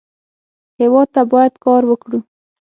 هېواد ته باید کار وکړو